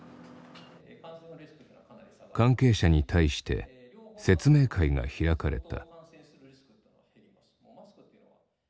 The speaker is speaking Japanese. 関係者に対して説明会が開かれた。